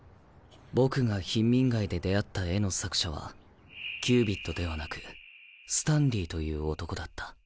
僕が貧民街で出会った絵の作者はキュービッドではなくスタンリーという男だった。